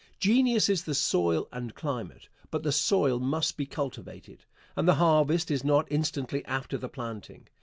Genius is the soil and climate, but the soil must be cultivated, and the harvest is not instantly after the planting.